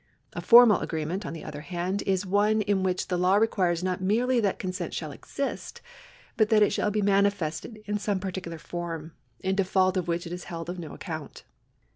A formal agreement, on the other hand, is ono in which the law requires not merely that con sent shall exist, but that it shall be manifested in some par ticular form, in default of which it is held of no account.